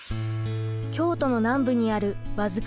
京都の南部にある和束町。